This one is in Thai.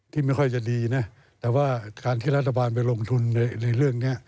ไม่ค่อยจะดีนะแต่ว่าการที่รัฐบาลไปลงทุนในเรื่องนี้